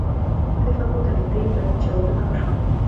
په دې شپه کور ته نږدې بمي چاودنه وشوه.